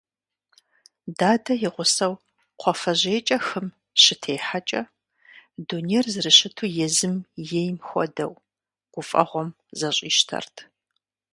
Дадэ и гъусэу кхъуафэжьейкӀэ хым щытехьэкӀэ, дунейр зэрыщыту езым ейм хуэдэу, гуфӀэгъуэм зэщӀищтэрт.